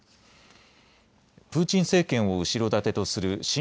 プーチン政権を後ろ盾とする親